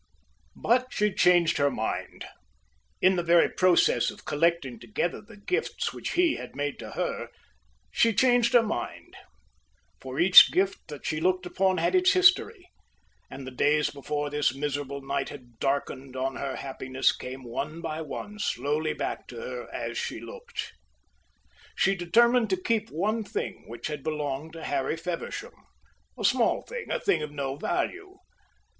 But she changed her mind. In the very process of collecting together the gifts which he had made to her she changed her mind. For each gift that she looked upon had its history, and the days before this miserable night had darkened on her happiness came one by one slowly back to her as she looked. She determined to keep one thing which had belonged to Harry Feversham, a small thing, a thing of no value.